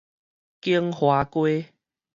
景華街